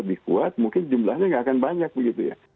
buat mungkin jumlahnya nggak akan banyak begitu ya